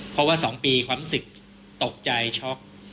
เพราะว่า๒ปีความรู้สึกตกใจช็อก